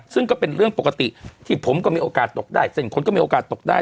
ซึ่งก็เป็นเรื่องปกติที่ผมก็มีโอกาสตกได้เส้นคนก็มีโอกาสตกได้